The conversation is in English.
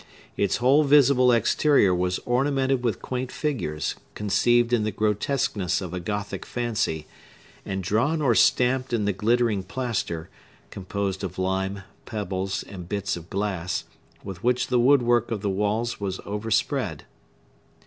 Its whole visible exterior was ornamented with quaint figures, conceived in the grotesqueness of a Gothic fancy, and drawn or stamped in the glittering plaster, composed of lime, pebbles, and bits of glass, with which the woodwork of the walls was overspread.